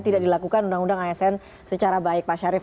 tidak dilakukan undang undang asn secara baik pak syarif